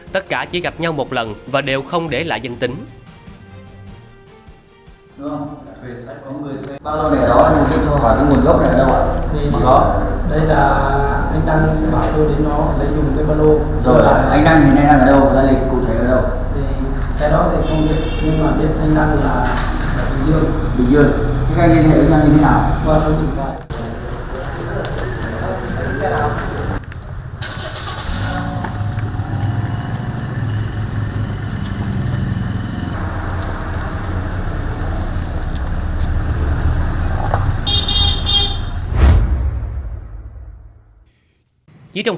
tất cả chỉ gặp nhau một lần và đều không để lại danh tính